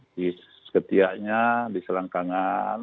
di ketiaknya di selangkangan